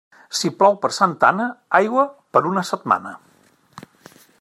Si plou per Santa Anna, aigua per una setmana.